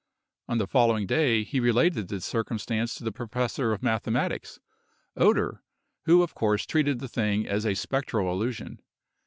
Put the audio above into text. On the following day he related this circumstance to the professor of mathematics, Oeder, who of course treated the thing as a spectral illusion.